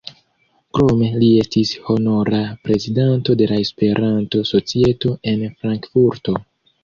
Krome li estis honora prezidanto de la Esperanto-Societo en Frankfurto.